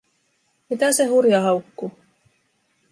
Mitä se Hurja haukkuu?